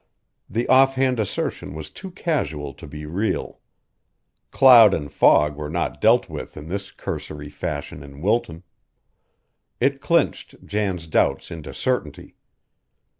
The offhand assertion was too casual to be real. Cloud and fog were not dealt with in this cursory fashion in Wilton. It clinched Jan's doubts into certainty.